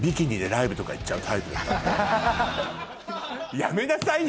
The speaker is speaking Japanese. やめなさいよ！